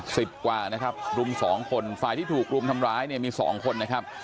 สิบกว่านะครับรุมสองคนฝ่ายที่ถูกรุมทำร้ายเนี่ยมีสองคนนะครับ